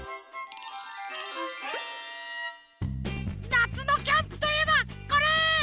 なつのキャンプといえばこれ！